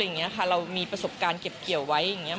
อย่างนี้ค่ะเรามีประสบการณ์เก็บเกี่ยวไว้อย่างนี้